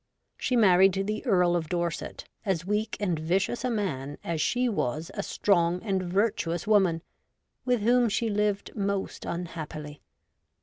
She married the Earl of Dorset, as weak and vicious a man as she was a strong and virtuous woman, with whom she lived most unhappily.